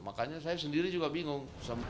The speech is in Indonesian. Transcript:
makanya saya sendiri juga bingung